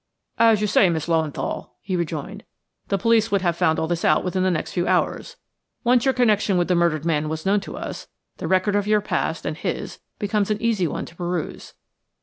"As you say, Miss Löwenthal," he rejoined, "the police would have found all this out within the next few hours. Once your connection with the murdered man was known to us, the record of your past and his becomes an easy one to peruse.